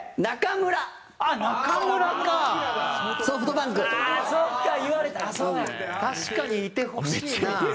武井：確かに、いてほしいな。